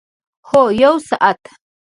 هو، یوه ساعت